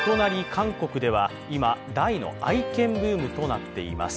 韓国では今、大の愛犬ブームとなっています。